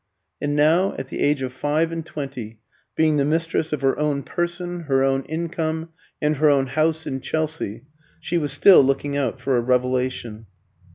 And now, at the age of five and twenty, being the mistress of her own person, her own income, and her own house in Chelsea, she was still looking out for a revelation.